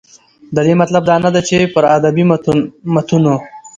د دې مطلب دا نه دى، چې پر ادبي متونو